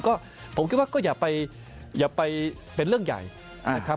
ก็ผมคิดว่าก็อย่าไปอย่าไปเป็นเรื่องใหญ่นะครับ